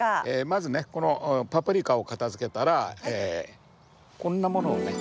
まずねこのパプリカを片づけたらこんなものをね。